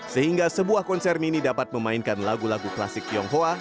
sehingga sebuah konser mini dapat memainkan lagu lagu klasik tionghoa